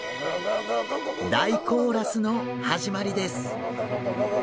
大コーラスの始まりです。